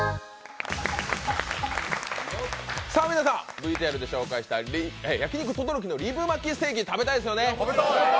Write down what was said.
ＶＴＲで紹介した焼肉とどろきのリブマキステーキ食べたいですよね？